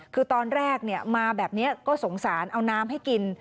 คือตอนแรกมาแบบนี้ก็สงสารเอาน้ำให้กิน